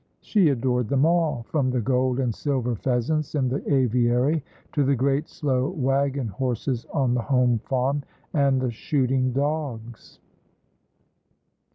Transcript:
She adored them all, from the gold and silver pheasants in the aviary to the great, slow wagon horses on the home farm, and the shooting dogs.